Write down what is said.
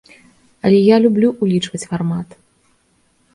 Але я люблю ўлічваць фармат.